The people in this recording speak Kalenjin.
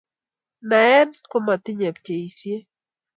naet komatinyei pcheisiet